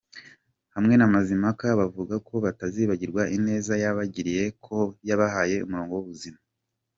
hamwe na Mazimpaka bakavuga ko batazibagirwa ineza yabagiriye ko yabahaye umurongo w’ubuzima.